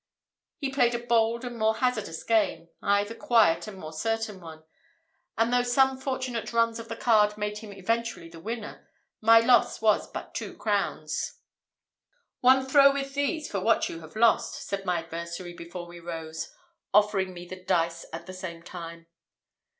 He played a bold and more hazardous game, I the quiet and more certain one; and though some fortunate runs of the cards made him eventually the winner, my loss was but two crowns. "One throw with these for what you have lost," said my adversary, before we rose, offering me the dice at the same time.